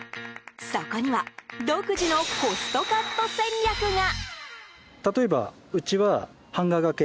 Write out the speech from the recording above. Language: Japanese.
そこには独自のコストカット戦略が。